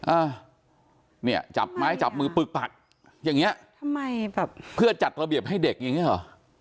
อ่าเนี่ยจับไม้จับมือปึกปักอย่างเงี้ยทำไมแบบเพื่อจัดระเบียบให้เด็กอย่างเงี้เหรอ